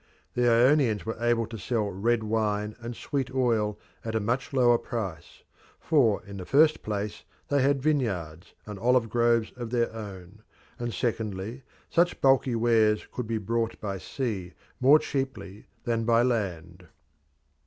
The Ionians were able to sell red wine and sweet oil at a much lower price, for in the first place they had vineyards and olive groves of their own, and secondly such bulky wares could be brought by sea more cheaply than by land.